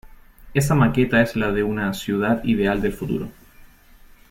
Esa Maqueta es la de una ""ciudad ideal del futuro"".